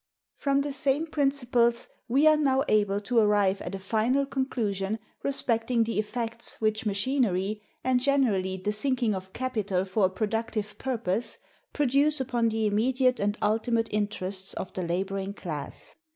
From the same principles we are now able to arrive at a final conclusion respecting the effects which machinery, and generally the sinking of capital for a productive purpose, produce upon the immediate and ultimate interests of the laboring class.